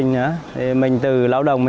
không phải mua sờ bông dầu gồi